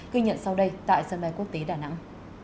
ghi nhận sau đây tại sân bay quốc tế đà nẵng